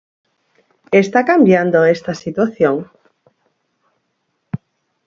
Está cambiando esta situación?